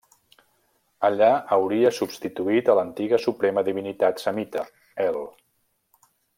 Allà hauria substituït a l'antiga suprema divinitat semita El.